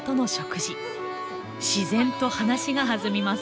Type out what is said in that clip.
自然と話が弾みます。